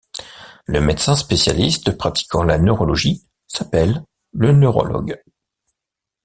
Le médecin spécialiste pratiquant la neurologie s'appelle le neurologue.